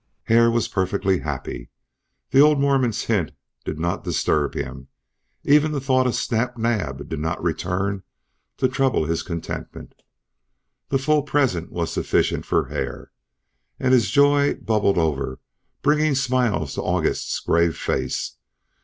Hare was perfectly happy. The old Mormon's hint did not disturb him; even the thought of Snap Naab did not return to trouble his contentment. The full present was sufficient for Hare, and his joy bubbled over, bringing smiles to August's grave face.